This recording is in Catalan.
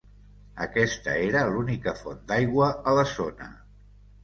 Aquesta era l'única font d'aigua a la zona.